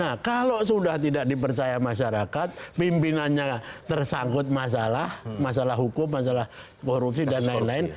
nah kalau sudah tidak dipercaya masyarakat pimpinannya tersangkut masalah masalah hukum masalah korupsi dan lain lain